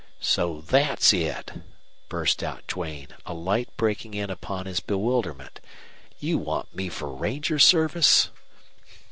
"So that's it!" burst out Duane, a light breaking in upon his bewilderment. "You want me for ranger service?"